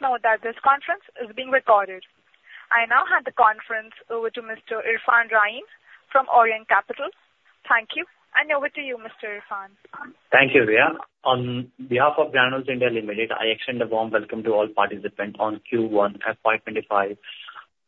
Please note that this conference is being recorded. I now hand the conference over to Mr. Irfan Raeen from Orient Capital. Thank you, and over to you, Mr. Irfan. Thank you, Priya. On behalf of Granules India Limited, I extend a warm welcome to all participants on Q1 FY2025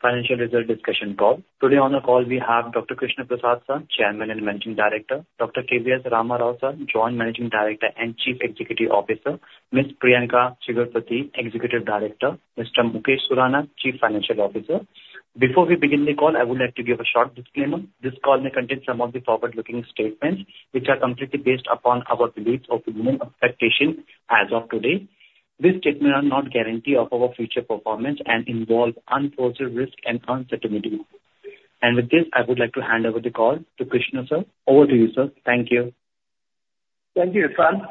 financial results discussion call. Today on the call, we have Dr. Krishna Prasad Chigurupati, Chairman and Managing Director, Dr. K.V.S. Ram Rao, Joint Managing Director and Chief Executive Officer, Ms. Priyanka Chigurupati, Executive Director, Mr. Mukesh Surana, Chief Financial Officer. Before we begin the call, I would like to give a short disclaimer. This call may contain some of the forward-looking statements, which are completely based upon our beliefs or opinions and expectations as of today. These statements are not guarantees of our future performance and involve unforeseen risks and uncertainties. With this, I would like to hand over the call to Krishna Sir. Over to you, sir. Thank you. Thank you, Irfan.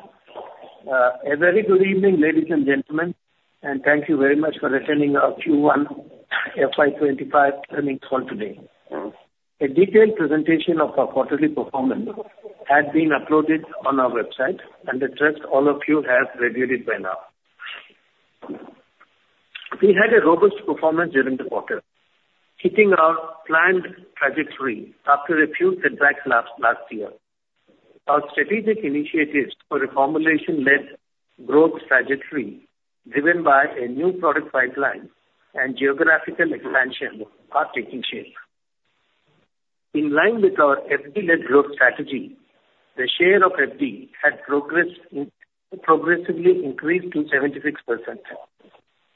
A very good evening, ladies and gentlemen, and thank you very much for attending our Q1 FY2025 earnings call today. A detailed presentation of our quarterly performance has been uploaded on our website, and I trust all of you have reviewed it by now. We had a robust performance during the quarter, hitting our planned trajectory after a few setbacks last year. Our strategic initiatives for reformulation led growth trajectory driven by a new product pipeline and geographical expansion of partaking shares. In line with our FD-led growth strategy, the share of FD had progressively increased to 76%.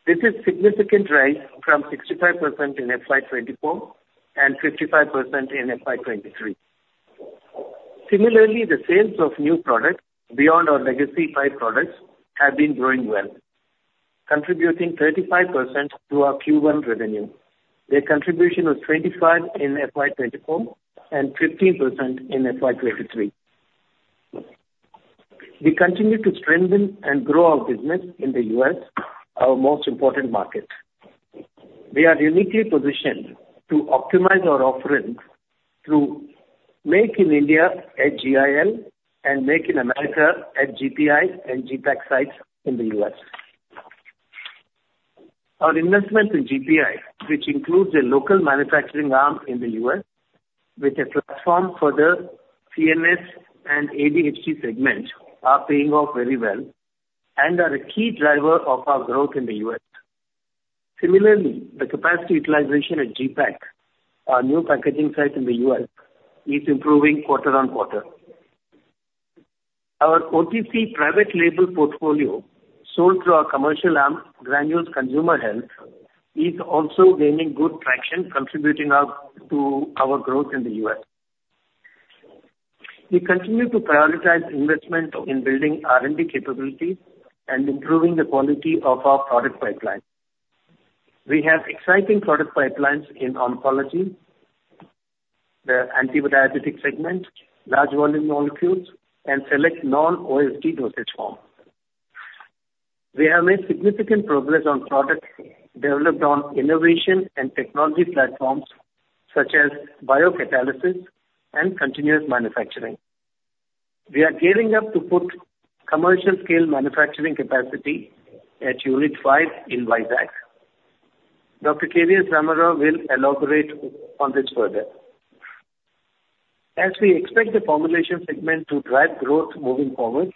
This is a significant rise from 65% in FY2024 and 55% in FY2023. Similarly, the sales of new products beyond our legacy five products have been growing well, contributing 35% to our Q1 revenue. Their contribution was 25% in FY2024 and 15% in FY2023. We continue to strengthen and grow our business in the U.S., our most important market. We are uniquely positioned to optimize our offerings through Make in India at GIL and Make in America at GPI and GPAC sites in the U.S. Our investments in GPI, which includes a local manufacturing arm in the U.S. with a platform for the CNS and ADHD segment, are paying off very well and are a key driver of our growth in the U.S. Similarly, the capacity utilization at GPAC, our new packaging site in the U.S., is improving quarter-over-quarter. Our OTC private label portfolio sold through our commercial arm, Granules Consumer Health, is also gaining good traction, contributing to our growth in the U.S. We continue to prioritize investment in building R&D capabilities and improving the quality of our product pipeline. We have exciting product pipelines in oncology, the antibiotic segment, large volume molecules, and select non-OSD dosage forms. We have made significant progress on products developed on innovation and technology platforms such as biocatalysis and continuous manufacturing. We are gearing up to put commercial-scale manufacturing capacity at Unit 5 in Vizag. Dr. K.V.S. Ram Rao will elaborate on this further. As we expect the formulation segment to drive growth moving forward,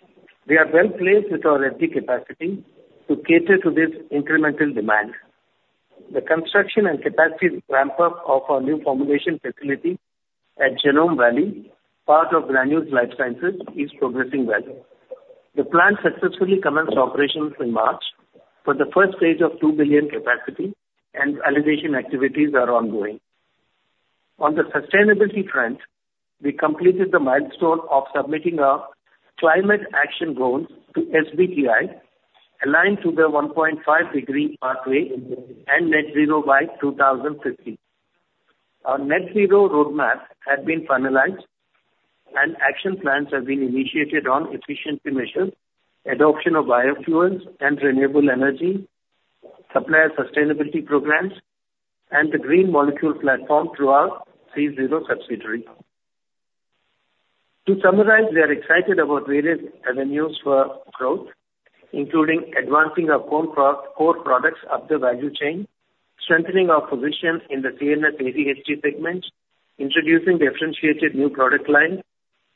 we are well placed with our FD capacity to cater to this incremental demand. The construction and capacity ramp-up of our new formulation facility at Genome Valley, part of Granules Life Sciences, is progressing well. The plant successfully commenced operations in March for the first stage of 2 billion capacity, and validation activities are ongoing. On the sustainability front, we completed the milestone of submitting our climate action goals to SBTi aligned to the 1.5-degree pathway and net zero by 2050. Our net zero roadmap has been finalized, and action plans have been initiated on efficiency measures, adoption of biofuel and renewable energy, supplier sustainability programs, and the green molecule platform throughout CZRO subsidiary. To summarize, we are excited about various avenues for growth, including advancing our core products up the value chain, strengthening our position in the CNS ADHD segment, introducing differentiated new product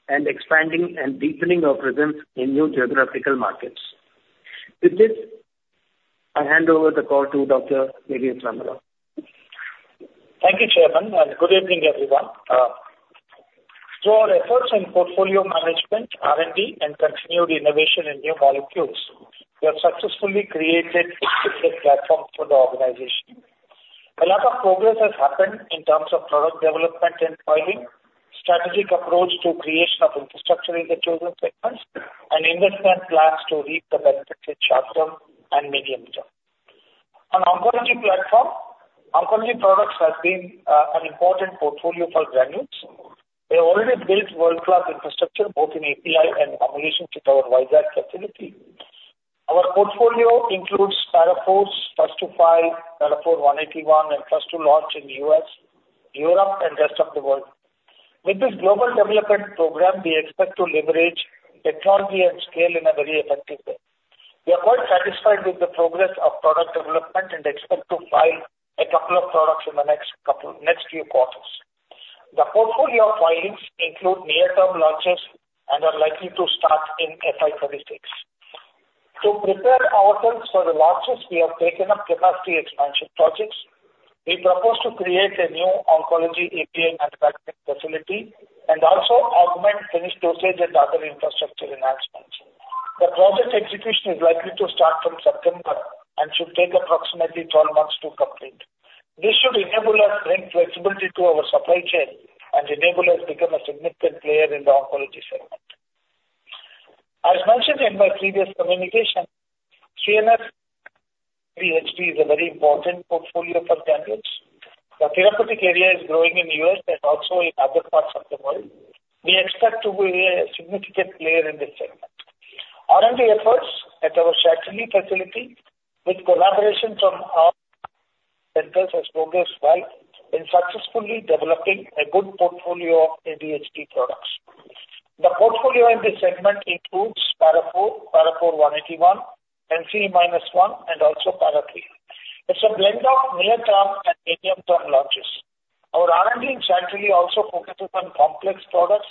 lines, and expanding and deepening our presence in new geographical markets. With this, I hand over the call to Dr. K.V.S. Ram Rao. Thank you, Chairman, and good evening, everyone. Through our efforts in portfolio management, R&D, and continued innovation in new molecules, we have successfully created a fit-for-peak platform for the organization. A lot of progress has happened in terms of product development and filing, strategic approach to creation of infrastructure in the chosen segments, and investment plans to reach the benefits in short-term and medium-term. On the oncology platform, oncology products have been an important portfolio for Granules. We have already built world-class infrastructure, both in API and formulation to our Vizag facility. Our portfolio includes Para IV, 505(b)(2), Para IV 181, and first-to-launch in the U.S., Europe, and the rest of the world. With this global development program, we expect to leverage technology and scale in a very effective way. We are quite satisfied with the progress of product development and expect to file a couple of products in the next few quarters. The portfolio filings include near-term launches and are likely to start in FY2026. To prepare ourselves for the launches, we have taken up capacity expansion projects. We propose to create a new oncology API and facility and also augment finished dosage and other infrastructure enhancements. The project execution is likely to start from September and should take approximately 12 months to complete. This should enable us to bring flexibility to our supply chain and enable us to become a significant player in the oncology segment. As mentioned in my previous communication, CNS ADHD is a very important portfolio for Granules. The therapeutic area is growing in the U.S. and also in other parts of the world. We expect to be a significant player in this segment. R&D efforts at our Chantilly facility, with collaboration from our centers, have progressed well in successfully developing a good portfolio of ADHD products. The portfolio in this segment includes Para IV, Para IV 181, NC-1, and also Para IV. It's a blend of near-term and medium-term launches. Our R&D in Chantilly also focuses on complex products,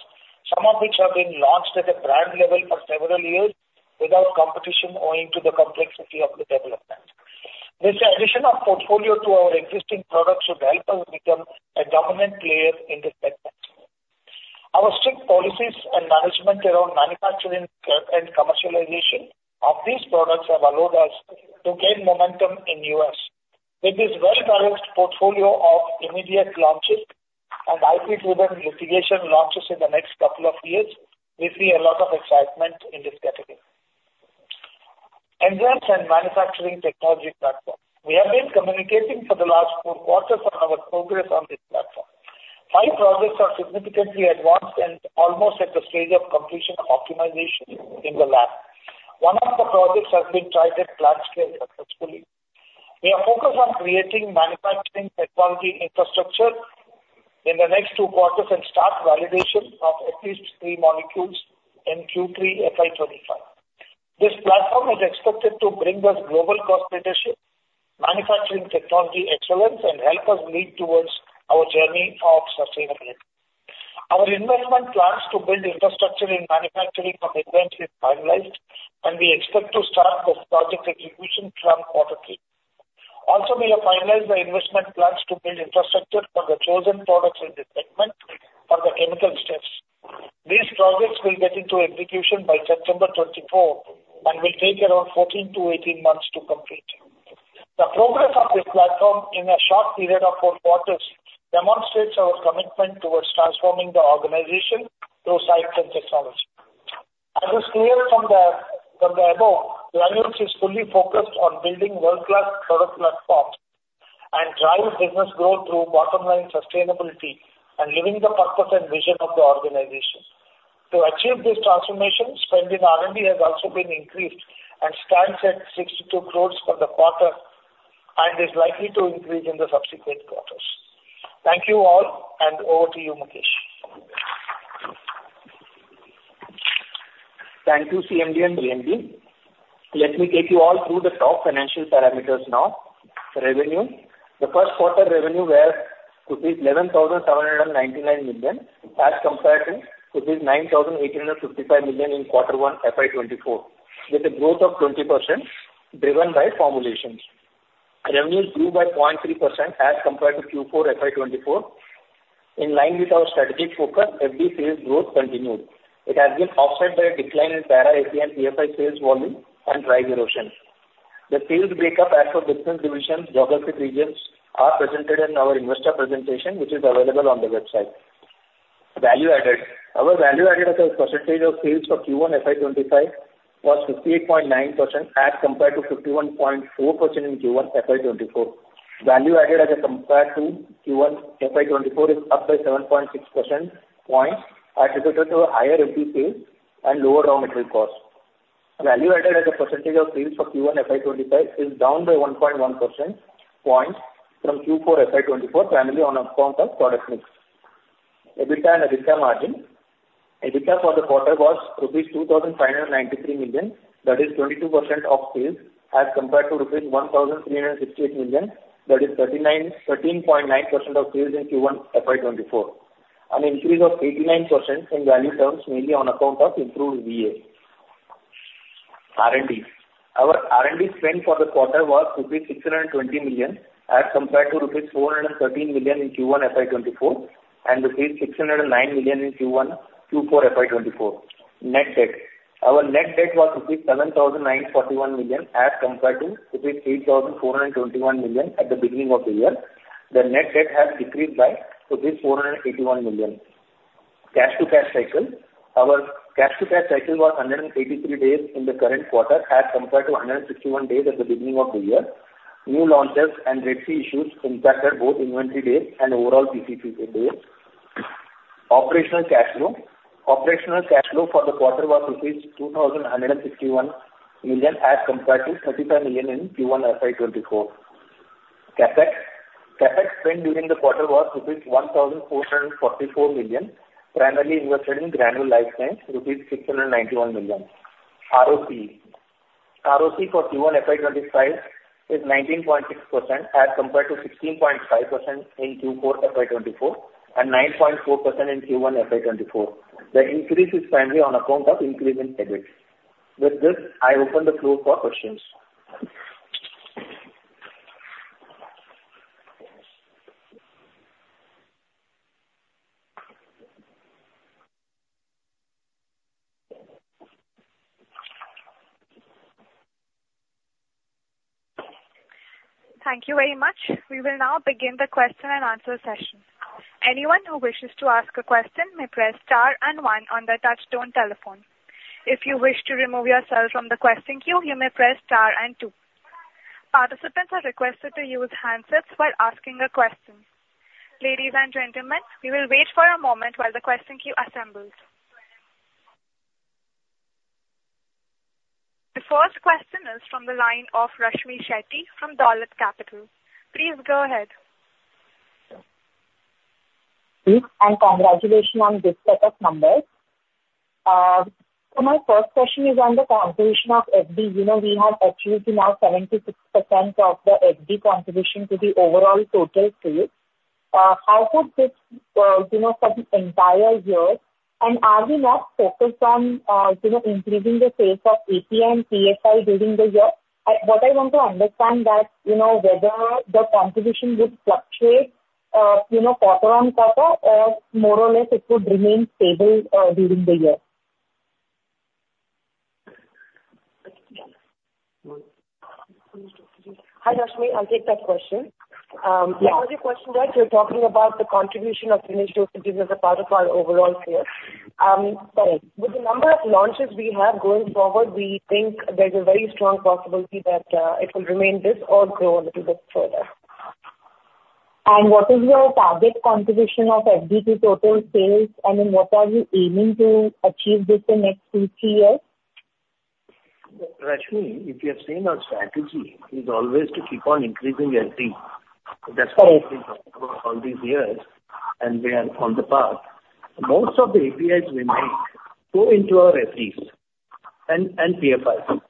some of which have been launched at a brand level for several years without competition owing to the complexity of the development. This addition of portfolio to our existing products should help us become a dominant player in this segment. Our strict policies and management around manufacturing and commercialization of these products have allowed us to gain momentum in the U.S. With this well-balanced portfolio of immediate launches and IP-driven litigation launches in the next couple of years, we see a lot of excitement in this category. Endurance and manufacturing technology platform. We have been communicating for the last Q4 on our progress on this platform. Five projects are significantly advanced and almost at the stage of completion of optimization in the lab. One of the projects has been tried at plant scale successfully. We are focused on creating manufacturing technology infrastructure in the next Q2 and start validation of at least three molecules in Q3 FY2025. This platform is expected to bring us global cross-leadership, manufacturing technology excellence, and help us lead towards our journey of sustainability. Our investment plans to build infrastructure in manufacturing of endurance are finalized, and we expect to start the project execution from Q3. Also, we have finalized the investment plans to build infrastructure for the chosen products in this segment for the chemical steps. These projects will get into execution by September 2024 and will take around 14-18 months to complete. The progress of this platform in a short period of Q4 demonstrates our commitment toward transforming the organization through science and technology. As was clear from the above, Granules is fully focused on building world-class product platforms and driving business growth through bottom-line sustainability and living the purpose and vision of the organization. To achieve this transformation, spending R&D has also been increased and stands at 62 crore for the quarter and is likely to increase in the subsequent quarters. Thank you all, and over to you, Mukesh. Thank you, CMD and GMD. Let me take you all through the top financial parameters now. Revenue. The Q1 revenue was INR 11,799 million as compared to INR 9,855 million in Q1 FY2024, with a growth of 20% driven by formulation. Revenues grew by 0.3% as compared to Q4 FY2024. In line with our strategic focus, FD sales growth continued. It has been offset by a decline in Para API and PFI sales volume and price erosion. The sales breakup as per business divisions, geographic regions are presented in our investor presentation, which is available on the website. Value added. Our value added as a percentage of sales for Q1 FY2025 was 58.9% as compared to 51.4% in Q1 FY2024. Value added as compared to Q1 FY2024 is up by 7.6% points attributed to higher FD sales and lower raw material costs. Value added as a percentage of sales for Q1 FY2025 is down by 1.1 percentage points from Q4 FY2024, primarily on account of product mix. EBITDA and EBITDA margin. EBITDA for the quarter was rupees 2,593 million, that is 22% of sales, as compared to rupees 1,368 million, that is 13.9% of sales in Q1 FY2024. An increase of 89% in value terms, mainly on account of improved VA. R&D. Our R&D spend for the quarter was rupees 620 million as compared to rupees 413 million in Q1 FY2024 and rupees 609 million in Q4 FY2024. Net debt. Our net debt was rupees 7,941 million as compared to rupees 3,421 million at the beginning of the year. The net debt has decreased by rupees 481 million. Cash-to-cash cycle. Our cash-to-cash cycle was 183 days in the current quarter as compared to 161 days at the beginning of the year. New launches and Red Sea issues impacted both inventory days and overall CCC days. Operational cash flow. Operational cash flow for the quarter was rupees 2,161 million as compared to 35 million in Q1 FY2024. CapEx. CapEx spend during the quarter was rupees 1,444 million, primarily invested in Granules Life Sciences, rupees 691 million. ROCE. ROCE for Q1 FY2025 is 19.6% as compared to 16.5% in Q4 FY2024 and 9.4% in Q1 FY2024. The increase is primarily on account of increase in EBITDA. With this, I open the floor for questions. Thank you very much. We will now begin the question and answer session. Anyone who wishes to ask a question may press star and one on the touchstone telephone. If you wish to remove yourself from the question queue, you may press star and two. Participants are requested to use handsets while asking a question. Ladies and gentlemen, we will wait for a moment while the question queue assembles. The first question is from the line of Rashmi Shetty from Dolat Capital. Please go ahead. Thank you, and congratulations on this set of numbers. So my first question is on the contribution of FD. We have achieved now 76% of the FD contribution to the overall total sales. How could this for the entire year? And are we not focused on increasing the sales of API and PFI during the year? What I want to understand is whether the contribution would fluctuate quarter-over-quarter or more or less it would remain stable during the year. Hi, Rashmi. I'll take that question. Yeah. Yeah. The question was you're talking about the contribution of finished dosages as a part of our overall sales. With the number of launches we have going forward, we think there's a very strong possibility that it will remain this or grow a little bit further. And what is your target contribution of FD to total sales, and in what are you aiming to achieve within the next two, three years? Rashmi, if you have seen our strategy, it is always to keep on increasing FD. That's what we've been talking about all these years, and we are on the path. Most of the APIs we make go into our FDs and PFIs.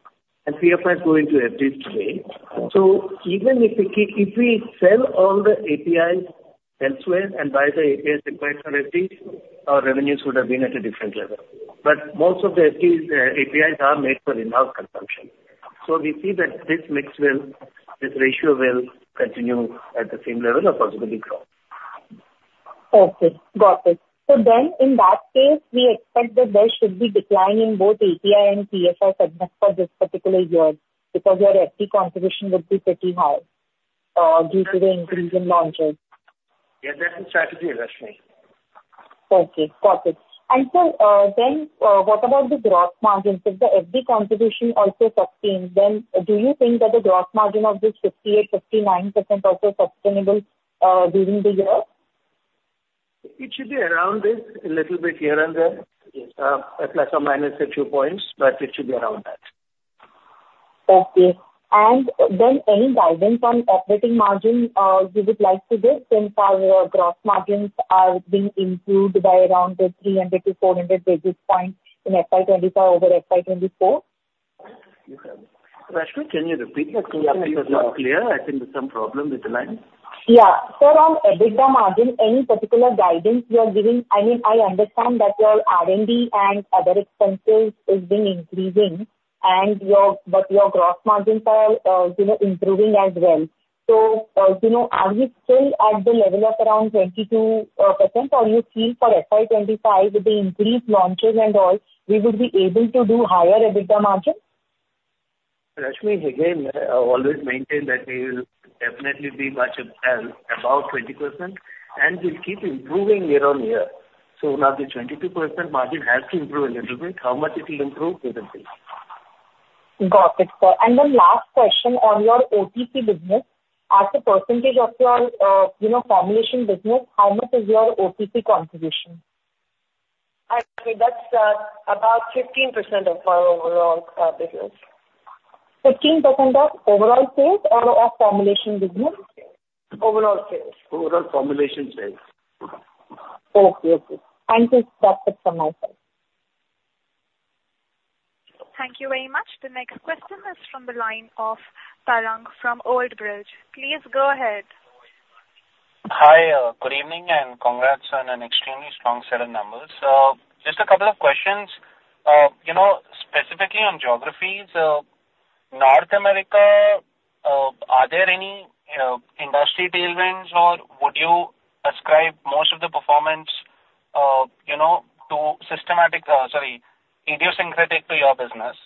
PFIs go into FDs today. So even if we sell all the APIs elsewhere and buy the APIs required for FDs, our revenues would have been at a different level. But most of the APIs are made for in-house consumption. So we see that this mix will, this ratio will continue at the same level or possibly grow. Okay. Got it. So then in that case, we expect that there should be a decline in both API and PFI segments for this particular year because your FD contribution would be pretty high due to the increase in launches. Yeah, that's the strategy, Rashmi. Okay. Got it. And so then what about the gross margin? If the FD contribution also sustains, then do you think that the gross margin of this 58%-59% also sustainable during the year? It should be around this a little bit here and there, ± a few points, but it should be around that. Okay. And then any guidance on operating margin you would like to give since our gross margins are being improved by around 300-400 basis points in FY2025 over FY2024? Rashmi, can you repeat that to me? I think it's not clear. I think there's some problem with the line. Yeah. So on EBITDA margin, any particular guidance you are giving? I mean, I understand that your R&D and other expenses are being increasing, but your gross margins are improving as well. So are we still at the level of around 22%, or you feel for FY2025, with the increased launches and all, we would be able to do higher EBITDA margin? Rashmi, again, I always maintain that we will definitely be much above 20%, and we'll keep improving year-on-year. So now the 22% margin has to improve a little bit. How much it will improve? Got it. Then last question on your OTC business. As a percentage of your formulation business, how much is your OTC contribution? I mean, that's about 15% of our overall business. 15% of overall sales or of formulation business? Overall sales. Overall formulation sales. Okay. Okay. Thank you. That's it from my side. Thank you very much. The next question is from the line of Parag from Old Bridge. Please go ahead. Hi. Good evening and congrats on an extremely strong set of numbers. Just a couple of questions. Specifically on geographies, North America, are there any industry tailwinds, or would you ascribe most of the performance to systematic, sorry, idiosyncratic to your business?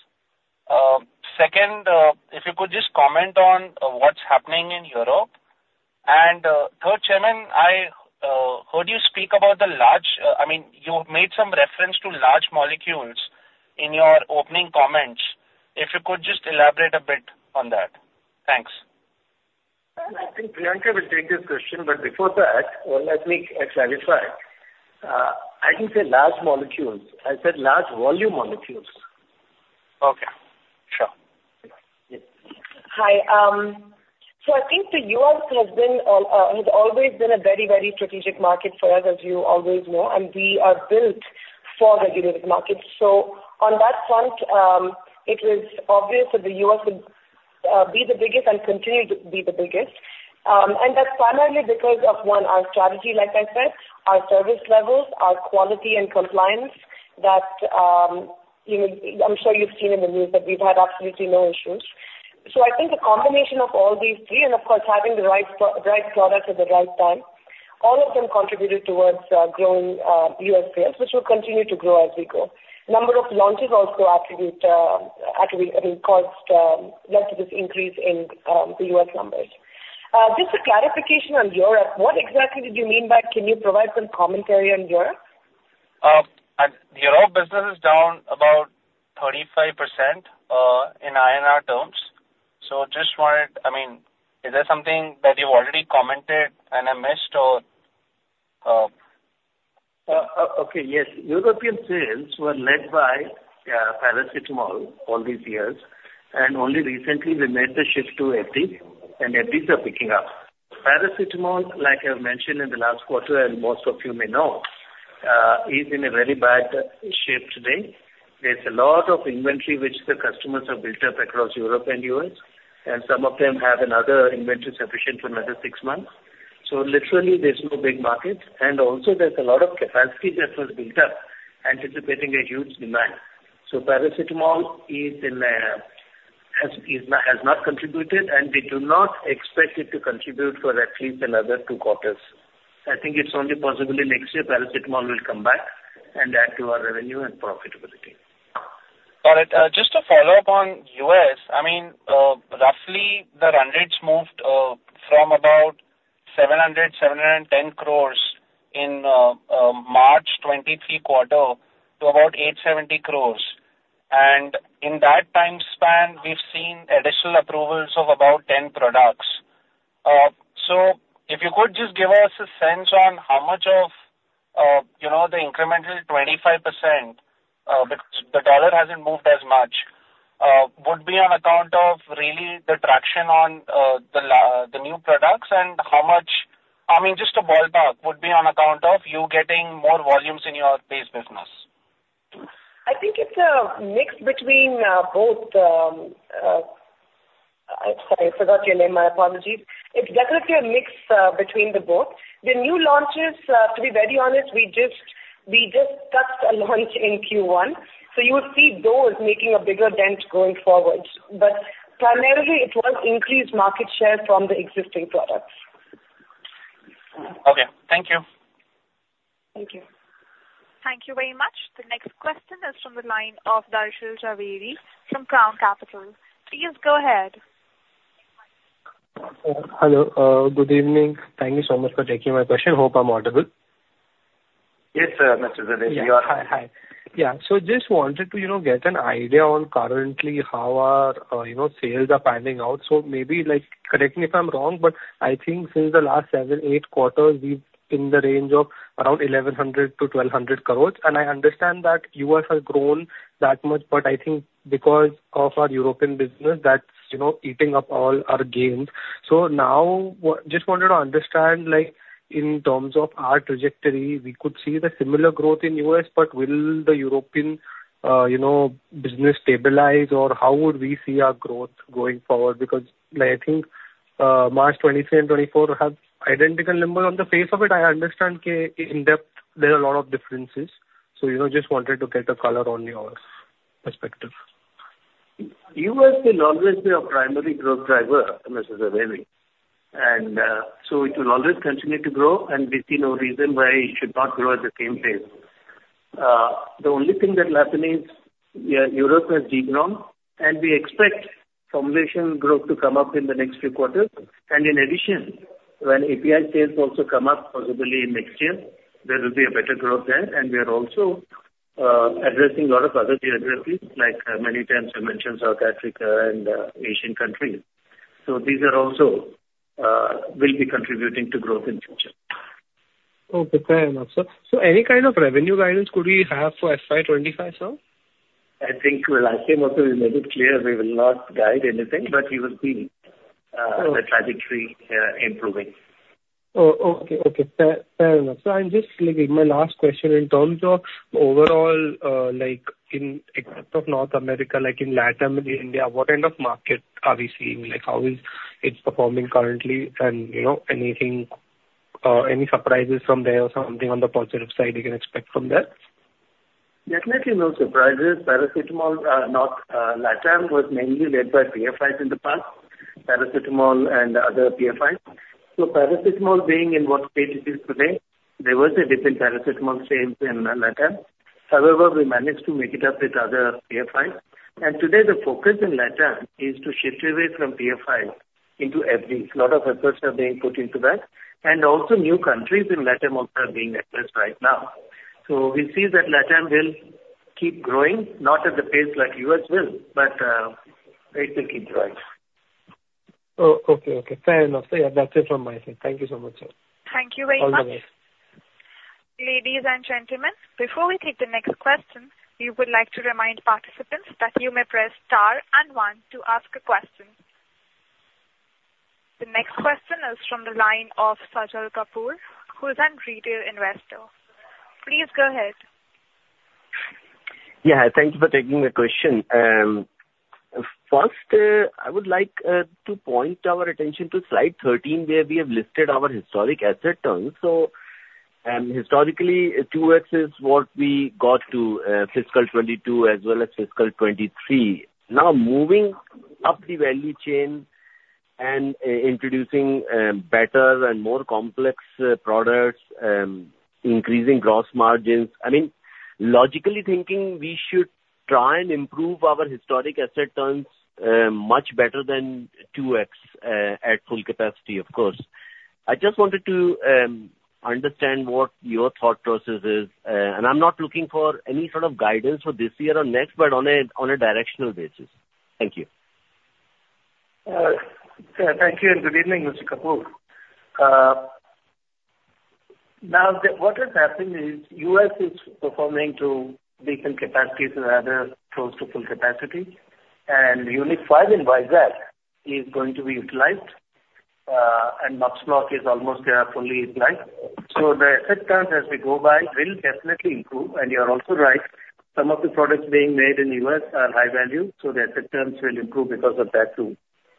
Second, if you could just comment on what's happening in Europe. And third, Chairman, I heard you speak about the large—I mean, you made some reference to large molecules in your opening comments. If you could just elaborate a bit on that. Thanks. I think Priyanka will take this question, but before that, let me clarify. I didn't say large molecules. I said large volume molecules. Okay. Sure. Hi. So I think the U.S. has always been a very, very strategic market for us, as you always know, and we are built for regulated markets. So on that front, it was obvious that the U.S. would be the biggest and continue to be the biggest. And that's primarily because of, one, our strategy, like I said, our service levels, our quality and compliance that I'm sure you've seen in the news that we've had absolutely no issues. So I think the combination of all these three, and of course, having the right product at the right time, all of them contributed towards growing U.S. sales, which will continue to grow as we go. Number of launches also attribute—I mean, caused this increase in the U.S. numbers. Just a clarification on Europe. What exactly did you mean by can you provide some commentary on Europe? Europe business is down about 35% in INR terms. So just wanted, I mean, is there something that you've already commented and I missed, or? Okay. Yes. European sales were led by paracetamol all these years, and only recently we made the shift to FD, and FDs are picking up. Paracetamol, like I've mentioned in the last quarter, and most of you may know, is in a very bad shape today. There's a lot of inventory which the customers have built up across Europe and the U.S.., and some of them have another inventory sufficient for another six months. So literally, there's no big market, and also there's a lot of capacity that was built up, anticipating a huge demand. So paracetamol has not contributed, and we do not expect it to contribute for at least another Q2. I think it's only possible next year paracetamol will come back and add to our revenue and profitability. Got it. Just to follow up on U.S., I mean, roughly the run rates moved from about 700-710 crores in March 2023 quarter to about 870 crores. And in that time span, we've seen additional approvals of about 10 products. So if you could just give us a sense on how much of the incremental 25%, the dollar hasn't moved as much, would be on account of really the traction on the new products and how much—I mean, just a ballpark—would be on account of you getting more volumes in your base business? I think it's a mix between both. I'm sorry, I forgot your name. My apologies. It's definitely a mix between the both. The new launches, to be very honest, we just touched a launch in Q1. So you will see those making a bigger dent going forward. But primarily, it was increased market share from the existing products. Okay. Thank you. Thank you. Thank you very much. The next question is from the line of Darshil Javeri from Crown Capital. Please go ahead. Hello. Good evening. Thank you so much for taking my question. Hope I'm audible? Yes, Mr. Javeri. You are... So just wanted to get an idea on currently how our sales are panning out. So maybe correct me if I'm wrong, but I think since the last Q7, Q8 we've been in the range of around 1,100 crores-1,200 crores. And I understand that U.S. has grown that much, but I think because of our European business, that's eating up all our gains. So now just wanted to understand in terms of our trajectory, we could see the similar growth in US, but will the European business stabilize, or how would we see our growth going forward? Because I think March 2023 and 2024 have identical numbers. On the face of it, I understand in depth there are a lot of differences. So just wanted to get a color on your perspective. U.S. will always be our primary growth driver, Mr. Javeri. And so it will always continue to grow, and we see no reason why it should not grow at the same pace. The only thing that will happen is Europe has degrown and we expect formulation growth to come up in the next few quarters. And in addition, when API sales also come up, possibly next year, there will be a better growth there. And we are also addressing a lot of other geographies, like many times I mentioned South Africa and Asian countries. So these also will be contributing to growth in the future. Okay. Fair enough, sir. So any kind of revenue guidance could we have for FY2025, sir? I think, well, I think also we made it clear we will not guide anything, but we will see the trajectory improving. Oh, okay. Okay. Fair enough. So I'm just leaving my last question in terms of overall, in respect of North America, like in Latin America, what kind of market are we seeing? How is it performing currently? And any surprises from there or something on the positive side you can expect from there? Definitely no surprises. Paracetamol, not Latam, was mainly led by PFIs in the past, paracetamol and other PFIs. So paracetamol being in what stage it is today, there was a different paracetamol stage in Latam. However, we managed to make it up with other PFIs. And today, the focus in Latam is to shift away from PFIs into FDs. A lot of efforts are being put into that. And also new countries in Latam also are being addressed right now. So we see that Latam will keep growing, not at the pace like U.S. will, but it will keep growing. Oh, okay. Okay. Fair enough. So yeah, that's it from my side. Thank you so much, sir. Thank you very much. All the best. Ladies and gentlemen, before we take the next question, we would like to remind participants that you may press star and one to ask a question. The next question is from the line of Sajal kapoor, who is a retail investor. Please go ahead. Yeah. Thank you for taking the question. First, I would like to point our attention to slide 13, where we have listed our historic asset turns. So historically, 2x is what we got to fiscal 2022 as well as fiscal 2023. Now, moving up the value chain and introducing better and more complex products, increasing gross margins, I mean, logically thinking, we should try and improve our historic asset turns much better than 2x at full capacity, of course. I just wanted to understand what your thought process is. And I'm not looking for any sort of guidance for this year or next, but on a directional basis. Thank you. Thank you and good evening, Mr. Kapur. Now, what has happened is U.S.. is performing to decent capacities and others close to full capacity. Unit 5 in Visakhapatnam is going to be utilized, and Max Block is almost there fully utilized. So the asset turns, as we go by, will definitely improve. You're also right. Some of the products being made in the U.S. are high value, so the asset turns will improve because of that too.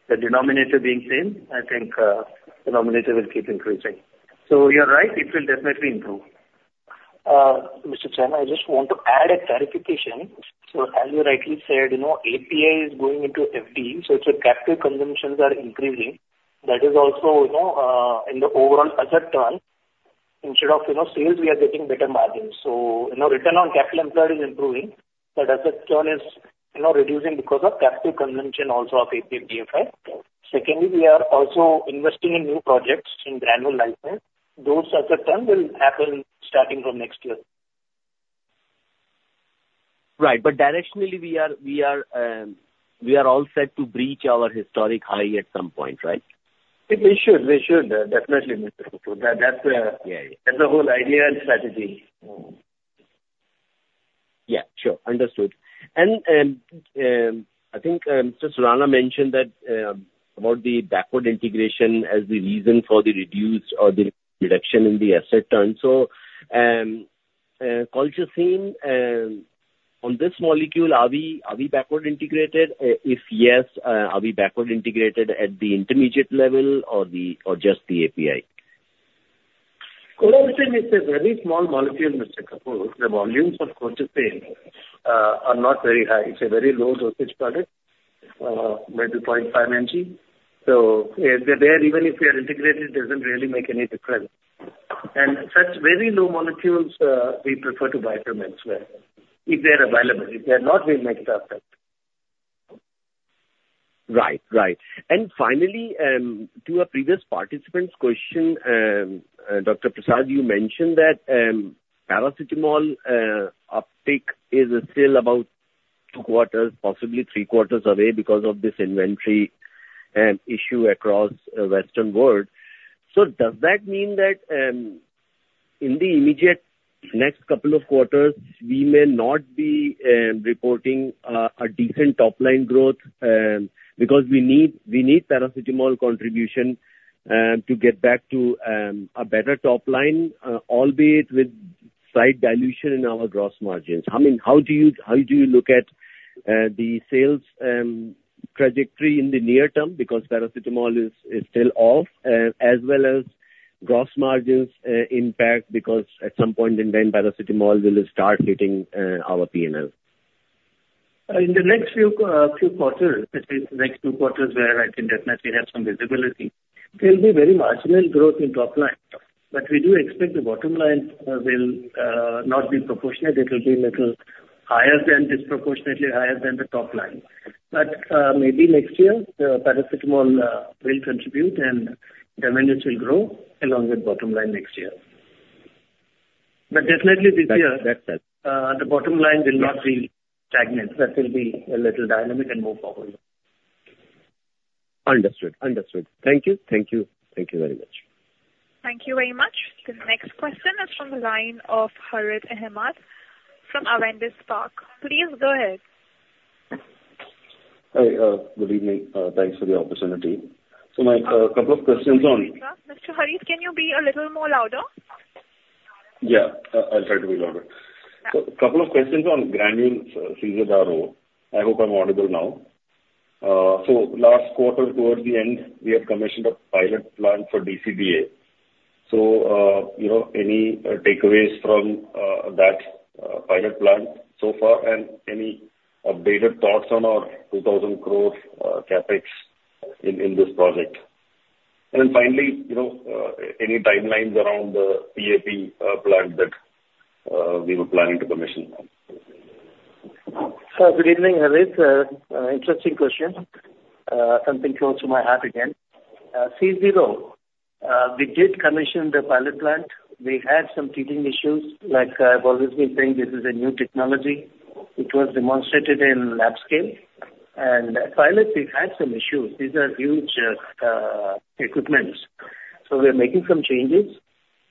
The denominator being the same, I think the denominator will keep increasing. So you're right. It will definitely improve. Mr. Chen, I just want to add a clarification. So as you rightly said, API is going into FD, so its capital consumptions are increasing. That is also in the overall asset term. Instead of sales, we are getting better margins. So return on capital employed is improving. That asset term is reducing because of capital consumption also of API PFI. Secondly, we are also investing in new projects in Granules Life Sciences. Those asset turns will happen starting from next year. Right. But directionally, we are all set to breach our historic high at some point, right? We should. We should. Definitely, Mr. Kapur. That's the whole idea and strategy. Yeah. Sure. Understood. And I think Mr. Surana mentioned that about the backward integration as the reason for the reduced or the reduction in the asset turnover. So, to the main theme, on this molecule, are we backward integrated? If yes, are we backward integrated at the intermediate level or just the API? Colchicine is a very small molecule, Mr. Kapur. The volumes, of course, are not very high. It's a very low dosage product, maybe 0.5 mg. So there, even if we are integrated, it doesn't really make any difference. And such very low molecules, we prefer to buy from elsewhere if they're available. If they're not, we'll make it up there. Right. Right. And finally, to a previous participant's question, Dr. Prasad, you mentioned that Paracetamol uptake is still about Q2, possibly Q3 away because of this inventory issue across Western world. So does that mean that in the immediate next couple of quarters, we may not be reporting a decent top-line growth because we need Paracetamol contribution to get back to a better top line, albeit with slight dilution in our gross margins? I mean, how do you look at the sales trajectory in the near term because Paracetamol is still off, as well as gross margins impact because at some point in time, Paracetamol will start hitting our P&L? In the next few quarters, the next Q2 where I can definitely have some visibility, there will be very marginal growth in top line. But we do expect the bottom line will not be proportionate. It will be a little higher than disproportionately higher than the top line. But maybe next year, Paracetamol will contribute and revenues will grow along with bottom line next year. But definitely this year, the bottom line will not be stagnant. That will be a little dynamic and move forward. Understood. Understood. Thank you. Thank you. Thank you very much. Thank you very much. The next question is from the line of Harith Ahamed from Avendus Spark. Please go ahead. Hi. Good evening. Thanks for the opportunity. So my couple of questions on. Mr. Harith, can you be a little more louder? Yeah. I'll try to be louder. So a couple of questions on Granules CZRO. I hope I'm audible now. So last quarter, towards the end, we have commissioned a pilot plant for DCDA. So any takeaways from that pilot plant so far and any updated thoughts on our 2,000 crore CapEx in this project? And then finally, any timelines around the PAP plant that we were planning to commission? So good evening, Harith. Interesting question. Something close to my heart again. CZRO, we did commission the pilot plant. We had some teething issues. Like I've always been saying, this is a new technology. It was demonstrated in lab scale. And pilot, we had some issues. These are huge equipments. So we're making some changes.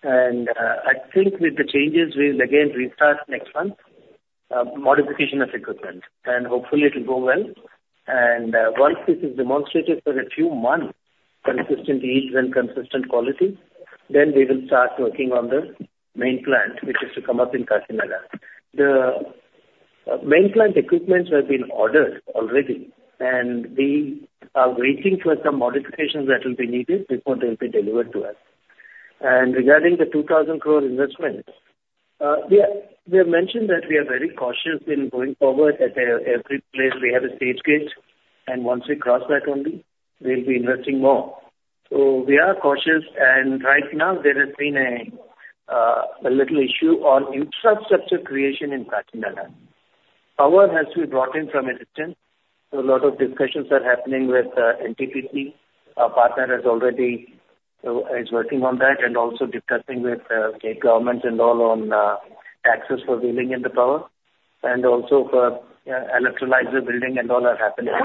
And I think with the changes, we'll again restart next month, modification of equipment. And hopefully, it will go well. And once this is demonstrated for a few months, consistent yields and consistent quality, then we will start working on the main plant, which is to come up in Kakinada. The main plant equipments have been ordered already, and we are waiting for some modifications that will be needed before they'll be delivered to us. Regarding the 2,000 crore investment, we have mentioned that we are very cautious in going forward at every place. We have a stage gate, and once we cross that, we'll be investing more. So we are cautious. Right now, there has been a little issue on infrastructure creation in Kakinada. Power has to be brought in from a distance. So a lot of discussions are happening with NTPC. Our partner has already been working on that and also discussing with state government and all on access for building and the power. And also for electrolyzer building and all are happening.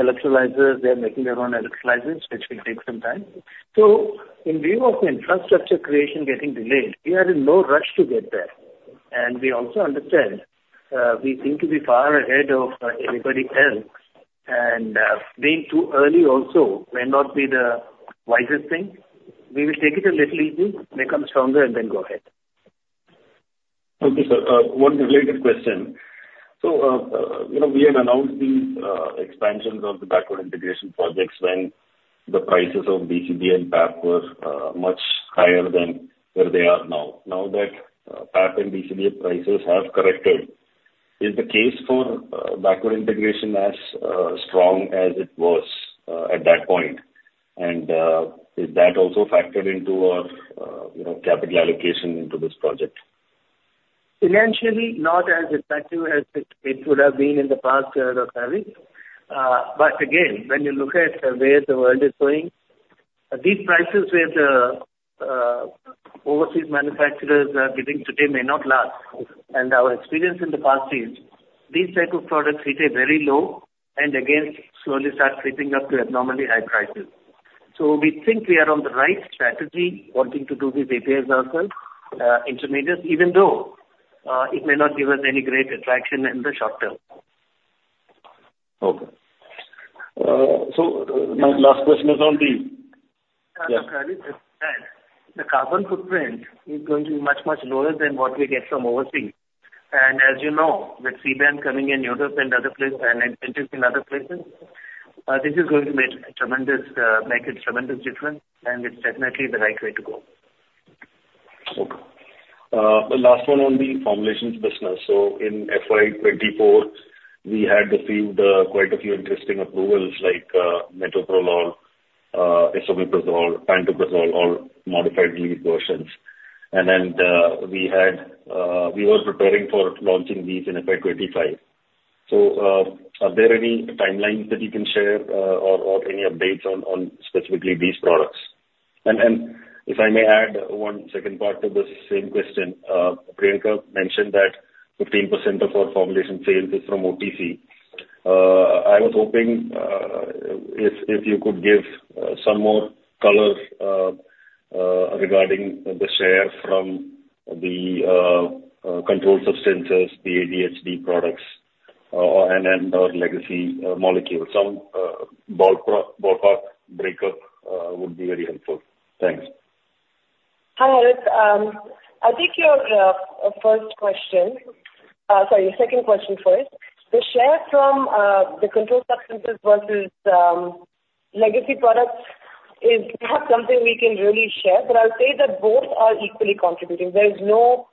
Electrolyzers, they're making their own electrolyzers, which will take some time. So in view of infrastructure creation getting delayed, we are in no rush to get there. And we also understand we seem to be far ahead of anybody else. Being too early also may not be the wisest thing. We will take it a little easy, become stronger, and then go ahead. Thank you, sir. One related question. So we had announced these expansions of the backward integration projects when the prices of DCDA and PAP were much higher than where they are now. Now that PAP and DCDA prices have corrected, is the case for backward integration as strong as it was at that point? And is that also factored into our capital allocation into this project? Financially, not as effective as it would have been in the past, Harith. But again, when you look at where the world is going, these prices where the overseas manufacturers are giving today may not last. And our experience in the past is these types of products hit a very low and again slowly start creeping up to abnormally high prices. So we think we are on the right strategy wanting to do these APIs also intermediates, even though it may not give us any great attraction in the short term. Okay. So my last question is on the. The carbon footprint is going to be much, much lower than what we get from overseas. As you know, with CBAM coming in Europe and other places and incentives in other places, this is going to make a tremendous difference, and it's definitely the right way to go. Okay. The last one on the formulations business. So in FY2024, we had received quite a few interesting approvals like Metoprolol, Esomeprazole, Pantoprazole, all modified release versions. And then we were preparing for launching these in FY2025. So are there any timelines that you can share or any updates on specifically these products? And if I may add one second part to the same question, Priyanka mentioned that 15% of our formulation sales is from OTC. I was hoping if you could give some more color regarding the share from the controlled substances, the ADHD products, and our legacy molecules. Some ballpark breakup would be very helpful. Thanks. Hi, Harith. I think your first question, sorry, your second question first. The share from the controlled substances versus legacy products is perhaps something we can really share, but I'll say that both are equally contributing. There is no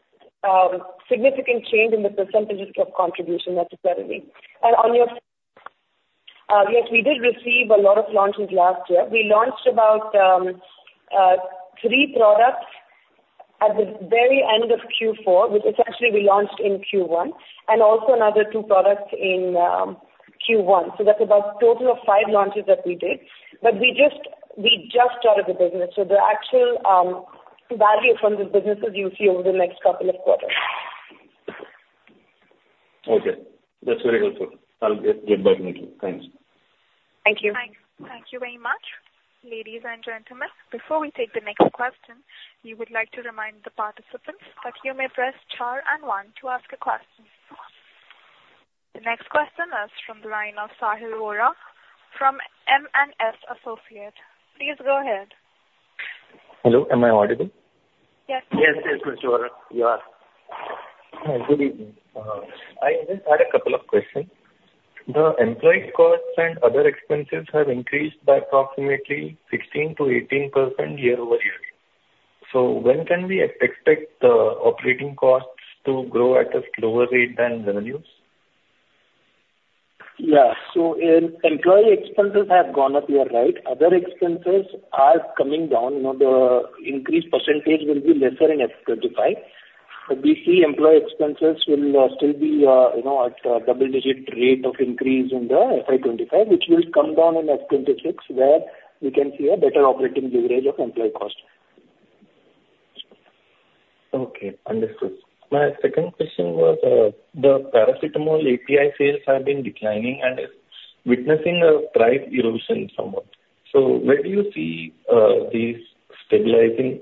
significant change in the percentages of contribution necessarily. And on your yes, we did receive a lot of launches last year. We launched about 3 products at the very end of Q4, which essentially we launched in Q1, and also another 2 products in Q1. So that's about a total of 5 launches that we did. But we just started the business. So the actual value from the businesses you'll see over the next couple of quarters. Okay. That's very helpful. I'll get back into it. Thanks. Thank you. Thank you very much, ladies and gentlemen. Before we take the next question, we would like to remind the participants that you may press star and one to ask a question. The next question is from the line of Sahil Vora from M&S Associates. Please go ahead. Hello. Am I audible? Yes. Yes, yes, Mr. Vora. You are. Hi. Good evening. I just had a couple of questions. The employee costs and other expenses have increased by approximately 16%-18% year-over-year. So when can we expect the operating costs to grow at a slower rate than revenues? Yeah. So employee expenses have gone up, you're right. Other expenses are coming down. The increased percentage will be lesser in F25. But we see employee expenses will still be at a double-digit rate of increase in the FI25, which will come down in F26, where we can see a better operating leverage of employee costs. Okay. Understood. My second question was the Paracetamol API sales have been declining and witnessing a price erosion somewhat. Where do you see these stabilizing?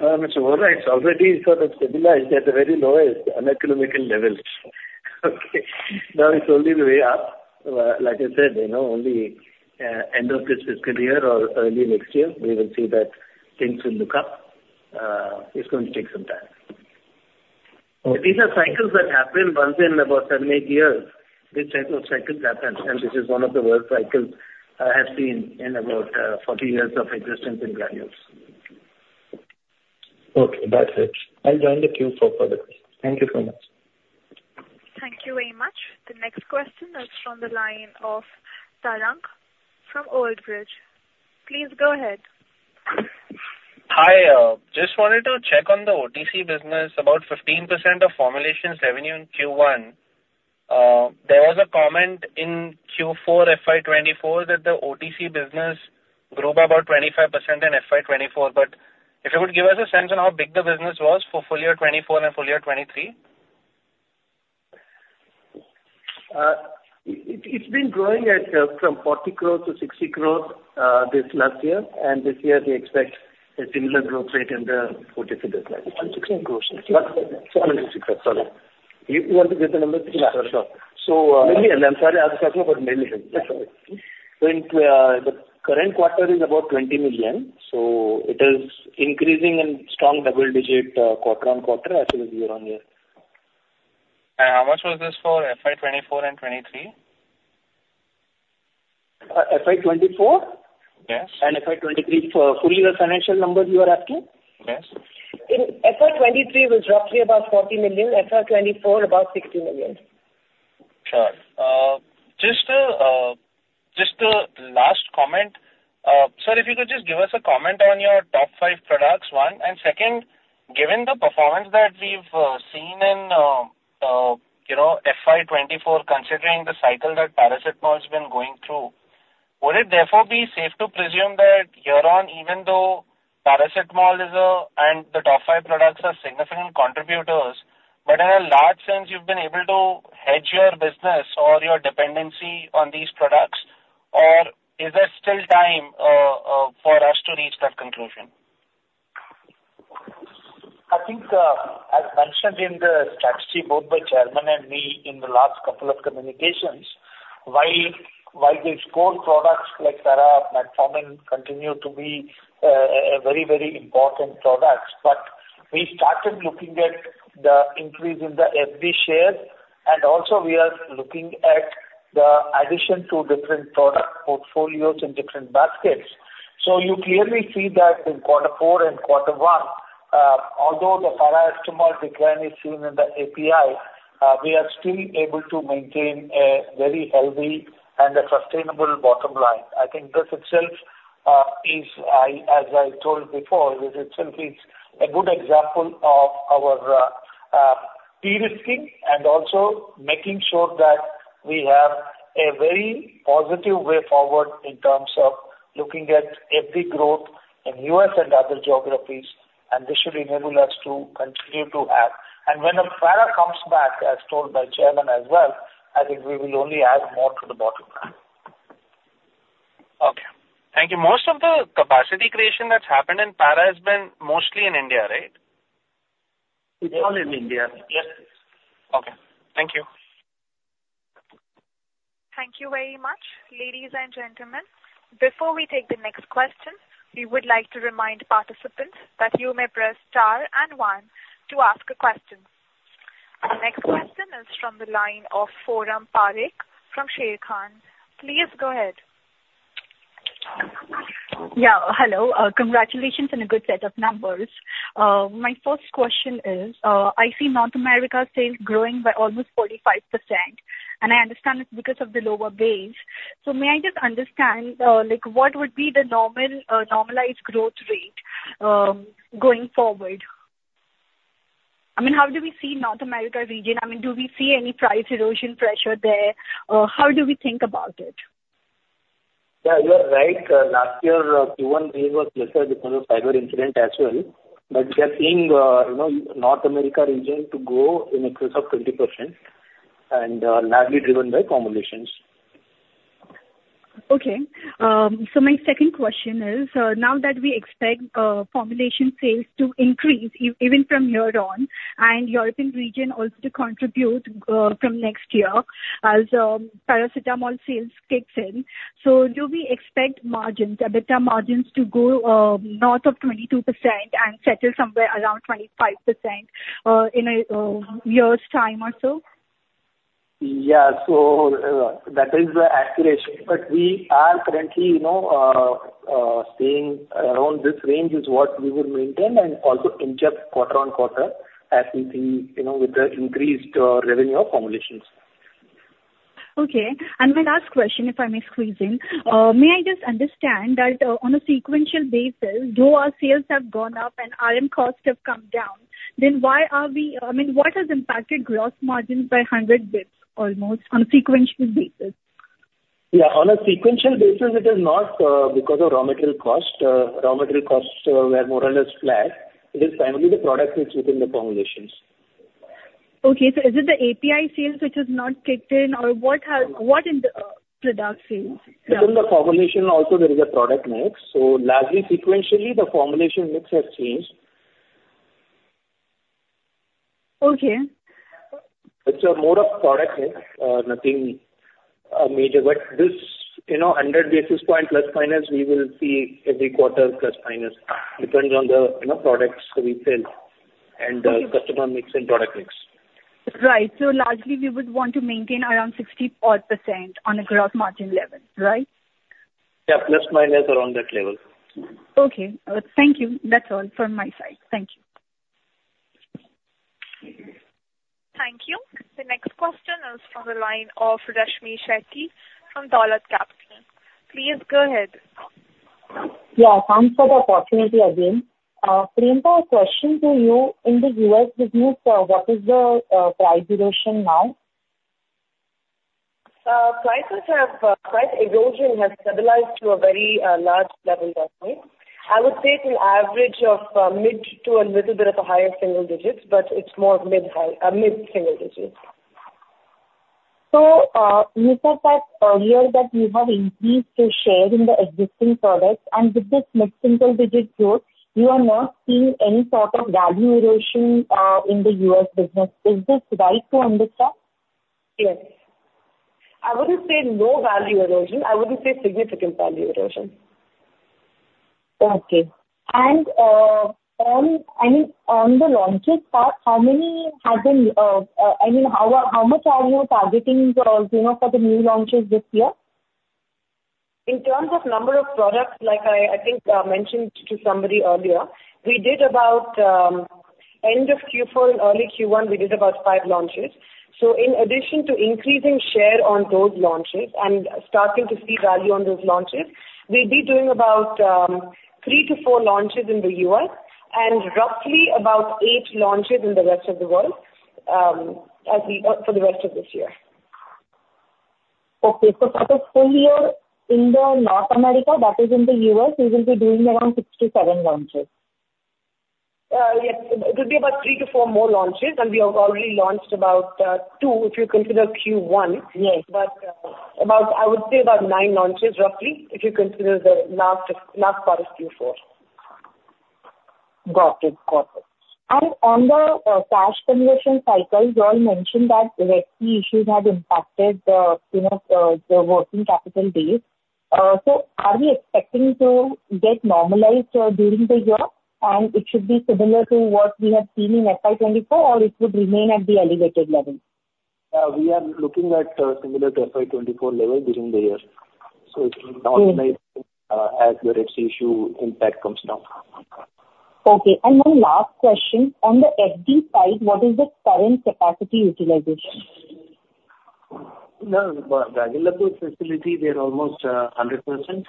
Mr. Vora, it's already sort of stabilized at the very lowest, anemic levels. Okay. Now it's only the way up. Like I said, only end of this fiscal year or early next year, we will see that things will look up. It's going to take some time. These are cycles that happen once in about 7-8 years. This type of cycle happens, and this is one of the worst cycles I have seen in about 40 years of existence in Granules. Okay. That's it. I'll join the queue for further questions. Thank you so much. Thank you very much. The next question is from the line of Parag from Old Bridge. Please go ahead. Hi. Just wanted to check on the OTC business. About 15% of formulations revenue in Q1. There was a comment in Q4 FY2024 that the OTC business grew by about 25% in FY2024. But if you could give us a sense on how big the business was for full year 2024 and full year 2023? It's been growing at from 40 crore to 60 crore this last year. This year, we expect a similar growth rate in the 40 figures. 76 crore. 76 crore. Sorry. You want to get the numbers? Yeah. Sorry. Million. I'm sorry. I was talking about million. That's all right. The current quarter is about 20 million. It is increasing in strong double-digit quarter-on-quarter as well as year-on-year. How much was this for FY2024 and FY2023? FI24? Yes. FY2023, fully the financial numbers you are asking? Yes. In FY2023, it was roughly about 40 million. FY2024, about 60 million. Sure. Just the last comment. Sir, if you could just give us a comment on your top five products, one. And second, given the performance that we've seen in FY2024, considering the cycle that Paracetamol has been going through, would it therefore be safe to presume that year on, even though Paracetamol and the top five products are significant contributors, but in a large sense, you've been able to hedge your business or your dependency on these products? Or is there still time for us to reach that conclusion? I think, as mentioned in the strategy both by Chairman and me in the last couple of communications, while these core products like core Metformin continue to be very, very important products, but we started looking at the increase in the FD sales. And also, we are looking at the addition to different product portfolios in different baskets. So you clearly see that in Q4 and Q1, although the paracetamol decline is seen in the API, we are still able to maintain a very healthy and a sustainable bottom line. I think this itself is, as I told before, this itself is a good example of our de-risking and also making sure that we have a very positive way forward in terms of looking at FD growth in U.S. and other geographies. And this should enable us to continue to have. When Sara comes back, as told by the Chairman as well, I think we will only add more to the bottom line. Okay. Thank you. Most of the capacity creation that's happened in Para has been mostly in India, right? It's all in India. Yes. Okay. Thank you. Thank you very much, ladies and gentlemen. Before we take the next question, we would like to remind participants that you may press star and one to ask a question. The next question is from the line of Forum Parekh from Sharekhan. Please go ahead. Yeah. Hello. Congratulations and a good set of numbers. My first question is, I see North America sales growing by almost 45%. And I understand it's because of the lower base. So may I just understand what would be the normalized growth rate going forward? I mean, how do we see North America region? I mean, do we see any price erosion pressure there? How do we think about it? Yeah. You are right. Last year, Q1 base was lesser because of cyber incident as well. But we are seeing North America region to grow in excess of 20% and largely driven by formulations. Okay. So my second question is, now that we expect formulation sales to increase even from year on and European region also to contribute from next year as paracetamol sales kick in, so do we expect better margins to go north of 22% and settle somewhere around 25% in a year's time or so? Yeah. That is the accretion. But we are currently seeing around this range is what we will maintain and also inject quarter-over-quarter as we see with the increased revenue of formulations. Okay. And my last question, if I may squeeze in, may I just understand that on a sequential basis, though our sales have gone up and RM costs have come down, then why are we I mean, what has impacted gross margins by 100 basis points almost on a sequential basis? Yeah. On a sequential basis, it is not because of raw material cost. Raw material costs were more or less flat. It is primarily the product mix within the formulations. Okay. Is it the API sales which has not kicked in, or what in the product sales? Within the formulation, also, there is a product mix. Largely sequentially, the formulation mix has changed. Okay. It's more of product mix, nothing major. But this 100 basis points ±, we will see every quarter ±. Depends on the products we sell and the customer mix and product mix. Right. So largely, we would want to maintain around 60% on a gross margin level, right? Yeah. ± around that level. Okay. Thank you. That's all from my side. Thank you. Thank you. The next question is from the line of Rashmi Shetty from Dolat Capital. Please go ahead. Yeah. Thanks for the opportunity again. Priyanka, a question to you. In the U.S. business, what is the price erosion now? Price erosion has stabilized to a very large level that way. I would say it's an average of mid to a little bit of a higher single digits, but it's more mid single digits. You said that earlier that you have increased your share in the existing products. With this mid single digit growth, you are not seeing any sort of value erosion in the U.S. business. Is this right to understand? Yes. I wouldn't say no value erosion. I wouldn't say significant value erosion. Okay. And I mean, on the launches part, how many have been I mean, how much are you targeting for the new launches this year? In terms of number of products, like I think I mentioned to somebody earlier, we did about end of Q4 and early Q1, we did about 5 launches. So in addition to increasing share on those launches and starting to see value on those launches, we'll be doing about 3-4 launches in the U.S. and roughly about 8 launches in the rest of the world for the rest of this year. Okay. So for the full year in North America, that is in the U.S., you will be doing around 6-7 launches? Yes. It will be about 3-4 more launches. And we have already launched about 2 if you consider Q1. But I would say about 9 launches roughly if you consider the last part of Q4. Got it. Got it. And on the cash conversion cycle, you all mentioned that the equity issues have impacted the working capital base. So are we expecting to get normalized during the year? And it should be similar to what we have seen in FY2024, or it would remain at the elevated level? We are looking at similar to FY2024 level during the year. So it will normalize as the risk issue impact comes down. Okay. My last question. On the FD side, what is the current capacity utilization? In our Granules facility, they're almost 100%.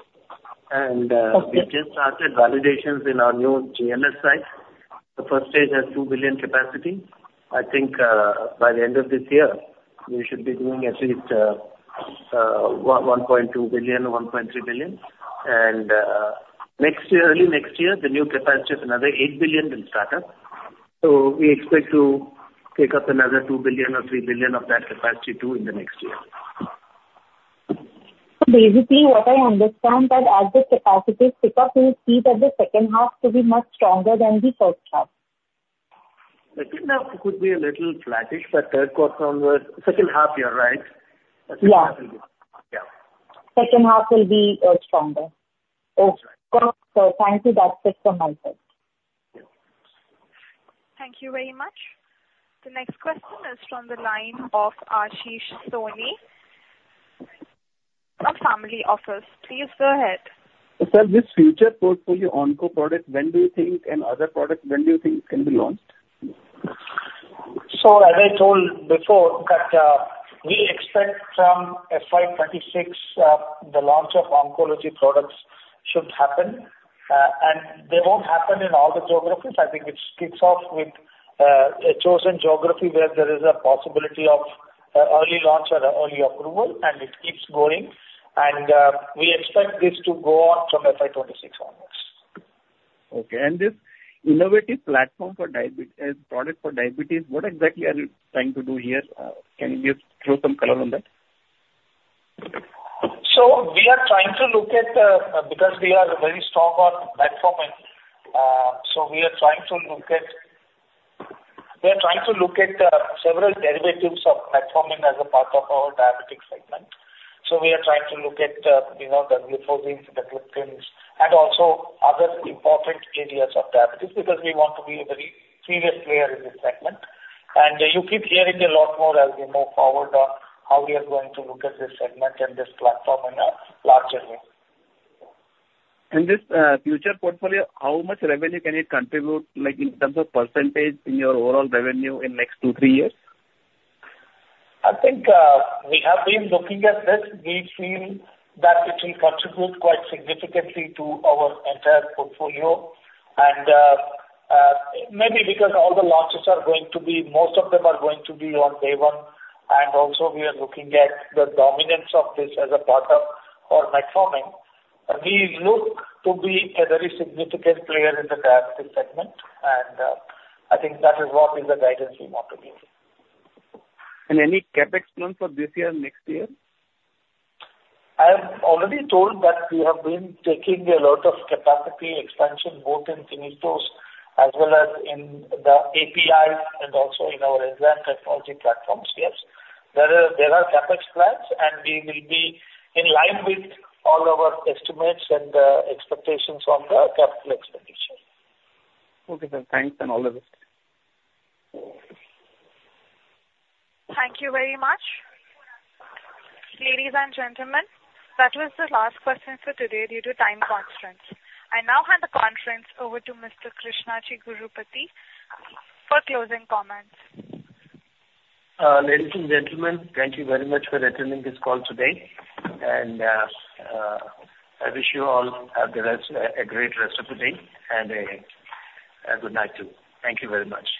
We just started validations in our new GNS site. The first stage has 2 billion capacity. I think by the end of this year, we should be doing at least 1.2 billion, 1.3 billion. Early next year, the new capacity is another 8 billion will start up. We expect to pick up another 2 billion or 3 billion of that capacity too in the next year. So basically, what I understand is that as the capacity is picked up, we will see that the second half will be much stronger than the first half. Second half could be a little flattish, but Q3 on the second half, you're right. The second half will be. Yeah. Second half will be stronger. That's right. Okay. So thank you. That's it from my side. Thank you very much. The next question is from the line of Ashish Soni, a Family Office. Please go ahead. Sir, this future portfolio onco products, when do you think, and other products, when do you think can be launched? As I told before, we expect from FY2026, the launch of oncology products should happen. They won't happen in all the geographies. I think it kicks off with a chosen geography where there is a possibility of early launch or early approval, and it keeps going. We expect this to go on from FY2026 onwards. Okay. And this innovative platform for diabetes, product for diabetes, what exactly are you trying to do here? Can you just throw some color on that? So, we are trying to look at that because we are very strong on Metformin. So we are trying to look at several derivatives of Metformin as a part of our diabetic segment. So we are trying to look at the Glucosamine, the Gliptins, and also other important areas of diabetes because we want to be a very serious player in this segment. And you keep hearing a lot more as we move forward on how we are going to look at this segment and this platform in a larger way. This future portfolio, how much revenue can it contribute in terms of percentage in your overall revenue in the next two, three years? I think we have been looking at this. We feel that it will contribute quite significantly to our entire portfolio. And maybe because all the launches are going to be most of them are going to be on day one. And also, we are looking at the dominance of this as a part of our Metformin. We look to be a very significant player in the diabetic segment. And I think that is what is the guidance we want to give. Any CapEx plans for this year, next year? I have already told that we have been taking a lot of capacity expansion both in finished dosages as well as in the APIs and also in our enzyme technology platforms. Yes. There are CapEx plans, and we will be in line with all our estimates and expectations on the capital expenditure. Okay. Thanks. And all the best. Thank you very much. Ladies and gentlemen, that was the last question for today due to time constraints. I now hand the conference over to Mr. Krishna Chigurupati for closing comments. Ladies and gentlemen, thank you very much for attending this call today. I wish you all a great rest of the day and a good night too. Thank you very much.